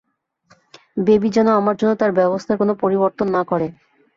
Baby যেন আমার জন্য তার ব্যবস্থার কোন পরিবর্তন না করে।